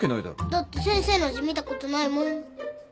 だって先生の字見たことないもん。